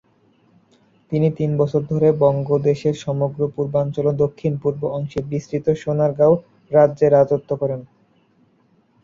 তিনি তিন বছর ধরে বঙ্গদেশের সমগ্র পূর্বাঞ্চল ও দক্ষিণ-পূর্ব অংশে বিস্তৃত সোনারগাঁও রাজ্যে রাজত্ব করেন।